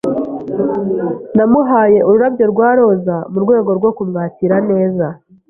Namuhaye ururabyo rwa roza mu rwego rwo kumwakira neza.